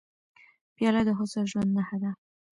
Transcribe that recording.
پیاله د هوسا ژوند نښه ده.